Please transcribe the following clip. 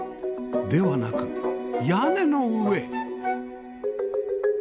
ではなく屋根の上？